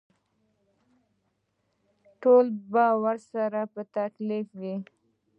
ټول به ورسره په تکلیف وي.